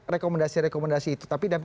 rekomendasi rekomendasi itu tapi